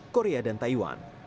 korea dan taiwan